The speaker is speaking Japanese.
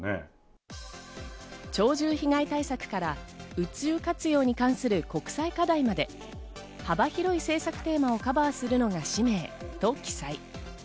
鳥獣被害対策から宇宙活用に関する国際課題まで幅広い政策テーマをカバーするのが使命と記載。